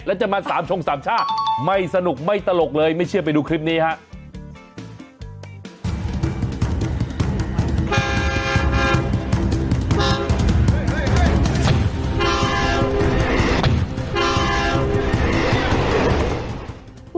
แล้วจะมาสามชงสามชาติไม่สนุกไม่ตลกเลยไม่เชื่อไปดูคลิปนี้ครับ